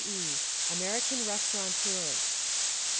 2E. American Restaurateurs.